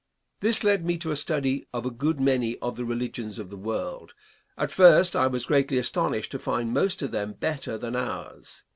This led me to a study of a good many of the religions of the world. At first I was greatly astonished to find most of them better than ours.